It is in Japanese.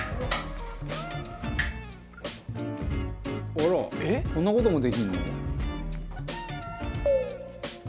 「あらこんな事もできるの？」